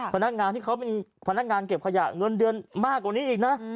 พนักงานที่เขาเป็นพนักงานเก็บขยะเงินเดือนมากกว่านี้อีกนะ